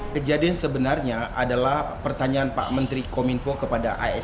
kejadian sebenarnya adalah pertanyaan pak menteri komunikasi kepada as